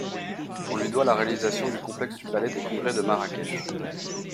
On lui doit la réalisation du complexe du palais des congrès de Marrakech.